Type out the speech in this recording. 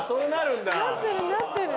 なってるなってる。